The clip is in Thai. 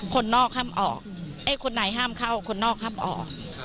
คนนอกห้ามเข้าคนนอกห้ามออก